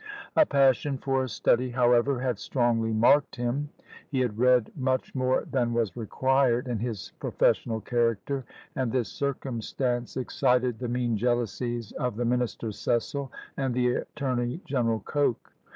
A passion for study, however, had strongly marked him; he had read much more than was required in his professional character, and this circumstance excited the mean jealousies of the minister Cecil, and the Attorney General Coke.